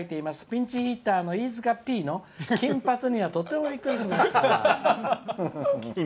ピンチヒッターの飯塚Ｐの金髪には、とってもびっくりしました。